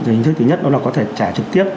hình thức thứ nhất là có thể trả trực tiếp